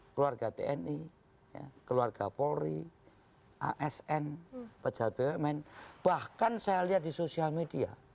keluarga tni keluarga polri asn pejabat bumn bahkan saya lihat di sosial media